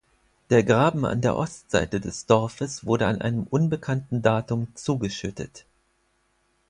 Der Graben an der Ostseite des Dorfes wurde an einem unbekannten Datum zugeschüttet.